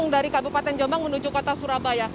dari kabupaten jombang menuju kota surabaya